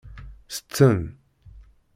Setten.